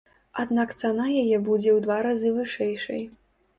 Аднак цана яе будзе ў два разы вышэйшай.